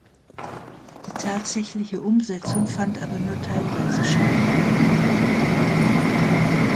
Die tatsächliche Umsetzung fand aber nur teilweise statt.